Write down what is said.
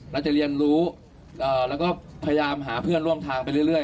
แล้วจะเรียนรู้แล้วก็พยายามหาเพื่อนร่วมทางไปเรื่อย